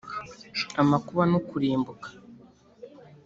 amakuba n’ukurimbuka;